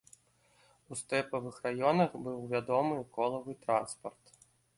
У стэпавых раёнах быў вядомы колавы транспарт.